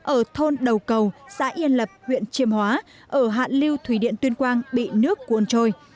ở thôn đầu cầu xã yên lập huyện chiêm hóa ở hạ lưu thủy điện tuyên quang bị nước cuốn trôi